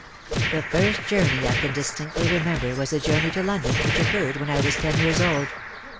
The first journey I can distinctly remember was a journey to London, which occurred when I was ten years old.